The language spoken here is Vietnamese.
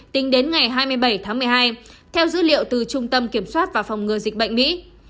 tính đến ngày hai mươi bảy tháng một mươi hai theo dữ liệu từ trung tâm kiểm soát và phòng ngừa dịch bệnh mỹ